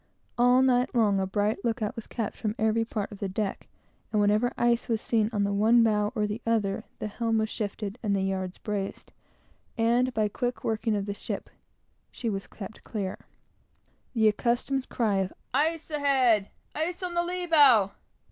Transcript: All night long, a bright lookout was kept from every part of the deck; and whenever ice was seen on the one bow or the other, the helm was shifted and the yards braced, and by quick working of the ship she was kept clear. The accustomed cry of "Ice ahead!" "Ice on the lee bow!"